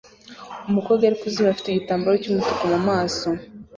Umukobwa ari kwizuba afite igitambaro cy'umutuku mu maso